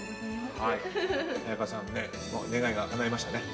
早川さん願いが叶いましたね。